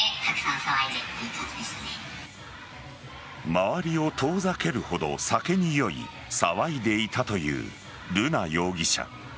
周りを遠ざけるほど酒に酔い騒いでいたという瑠奈容疑者。